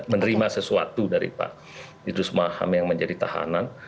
menerima sesuatu dari pak idrus maham yang menjadi tahanan